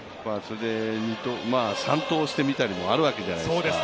３盗してみたりもあるわけじゃないですか。